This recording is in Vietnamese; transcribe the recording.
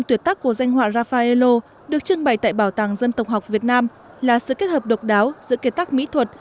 ba mươi năm tuyệt tác của danh họa raffaello được trưng bày tại bảo tàng dân tộc học việt nam là sự kết hợp độc đáo giữa kiệt tác mỹ thuật